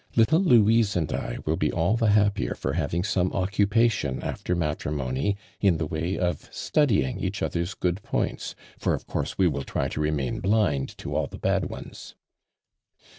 Little Louise and I will be all the happier for having some occupation lifter matrimoiiy in the way of .studying «ach other's good points, for of course we will try to remain blind to all the bad ones."